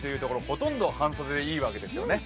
ほとんど半袖でいいわけですよね。